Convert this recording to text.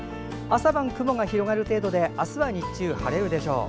朝晩、雲が広がる程度で明日は日中は晴れるでしょう。